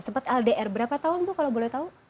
sempat ldr berapa tahun bu kalau boleh tahu